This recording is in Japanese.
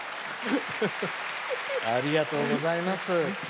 ありがとうございます。